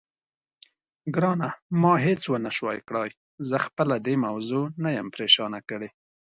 ګرانه، ما هېڅ ونه شوای کړای، زه خپله دې موضوع نه یم پرېشانه کړې.